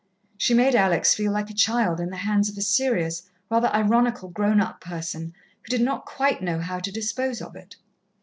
She made Alex feel like a child in the hands of a serious, rather ironical grown up person, who did not quite know how to dispose of it.